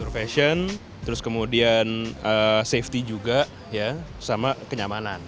fashion safety dan kenyamanan